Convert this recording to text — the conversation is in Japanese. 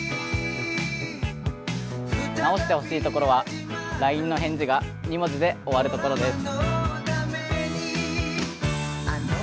直してほしいところはＬＩＮＥの返事が２文字で終わるところです。